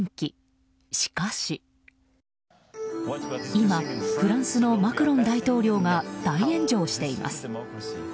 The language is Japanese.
今フランスのマクロン大統領が大炎上しています。